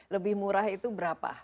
lebih murah itu berapa